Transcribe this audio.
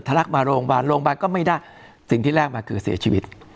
ลักมาโรงพยาบาลโรงพยาบาลก็ไม่ได้สิ่งที่แลกมาคือเสียชีวิต